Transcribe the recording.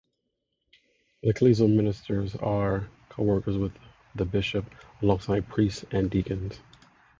Lay ecclesial ministers are coworkers with the bishop alongside priests and deacons.